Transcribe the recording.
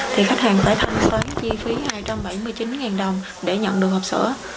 thì khách hàng phải thanh toán chi phí hai trăm bảy mươi chín đồng để nhận đường hộp sữa